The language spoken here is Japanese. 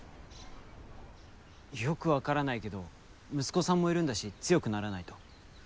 よく分からないけど息子さんもいるんだし強くならないと。